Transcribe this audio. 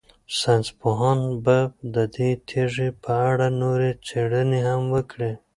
ساینس پوهان به د دې تیږې په اړه نورې څېړنې هم وکړي.